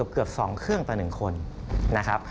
เกือบ๒เครื่องต่อ๑คนนะครับ